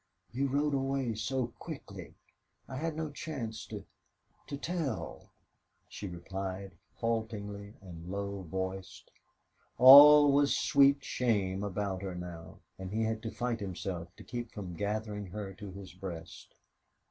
"You rode away so quickly I had no chance to tell," she replied, haltingly and low voiced. All was sweet shame about her now, and he had to fight himself to keep from gathering her to his breast.